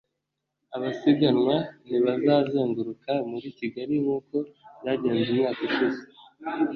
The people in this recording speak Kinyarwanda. Abasiganwa ntibazazenguruka muri Kigali nk’uko byagenze umwaka ushize